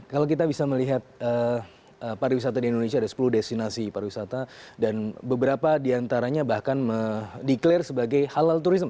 kalau kita bisa melihat pariwisata di indonesia ada sepuluh destinasi pariwisata dan beberapa diantaranya bahkan mendeklarasi sebagai halal turism